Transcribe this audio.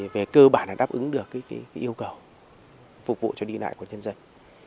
về cơ bản đáp ứng được yêu cầu phục vụ cho đi lại của nhân dân